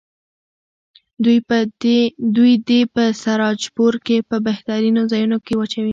دوی دې په سراجپور کې په بهترینو ځایونو کې واچوي.